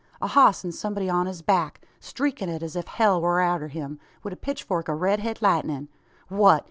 A hoss an somebody on his back streakin' it as if hell war arter him, wi' a pitchfork o' red het lightnin'! What!